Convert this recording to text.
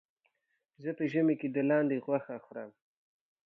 زه په ژمي کې د لاندې غوښه خورم.